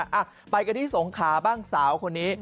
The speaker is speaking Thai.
อ่ะไปกันที่สงขาบ้างสาวคนนี้